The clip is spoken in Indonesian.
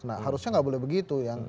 nah harusnya nggak boleh begitu ya